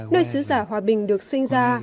nơi sứ giả hòa bình được sinh ra